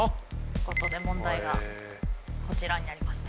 ここで問題がこちらになりますね。